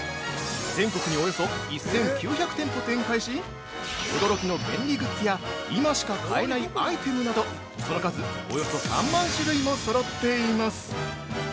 全国におよそ１９００店舗展開し驚きの便利グッズや今しか買えないアイテムなどその数、およそ３万種類もそろっています。